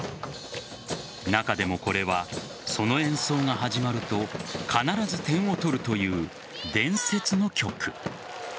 中でもこれは、その演奏が始まると必ず点を取るという伝説の曲。